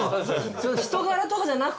人柄とかじゃなくて？